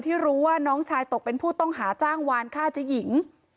ที่รู้ว่าน้องชายตกเป็นผู้ต้องหาจ้างวานฆ่าเจ๊หญิง